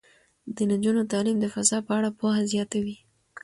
د نجونو تعلیم د فضا په اړه پوهه زیاتوي.